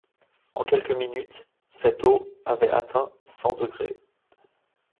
En quelques minutes, cette eau avait atteint cent degrés.